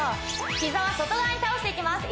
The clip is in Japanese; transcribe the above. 膝は外側に倒していきます